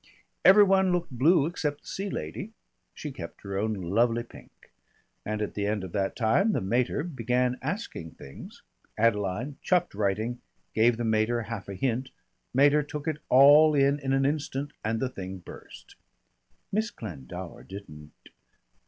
Everyone looked blue except the Sea Lady. She kept her own lovely pink. And at the end of that time the mater began asking things, Adeline chucked writing, gave the mater half a hint, mater took it all in in an instant and the thing burst." "Miss Glendower didn't